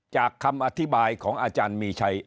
คำอธิบายของอาจารย์มีชัย